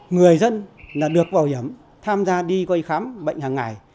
người dân là được bảo hiểm tham gia đi quay khám bệnh hàng ngày